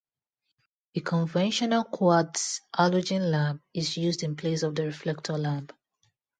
A conventional quartz halogen lamp is used in place of the reflector lamp.